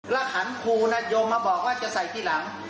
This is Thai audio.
ระขันภูนะโยมมาบอกว่าจะใส่ที่หลัง